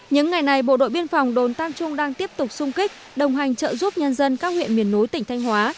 những ngày này bộ đội biên phòng đồn tam trung đang tiếp tục sung kích đồng hành trợ giúp nhân dân các huyện miền núi tỉnh thanh hóa